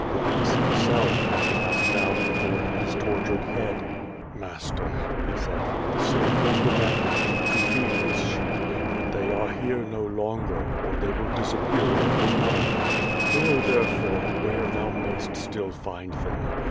Linus himself, at last bowed before him his tor tured head: "Master," he said, "the Saviour commanded thee to feed his sheep, but tliey are here no longer, or they will disappear on the morrow. Go, tlierefore, where thou mayst still find them.